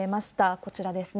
こちらですね。